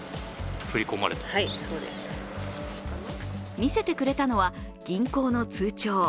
見せてくれたのは、銀行の通帳。